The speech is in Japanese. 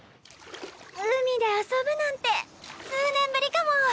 海で遊ぶなんて数年ぶりかも。